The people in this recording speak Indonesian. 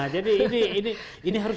jadi ini harus